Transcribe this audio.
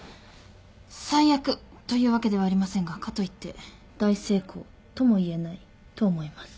最悪というわけではありませんがかといって大成功とも言えないと思います。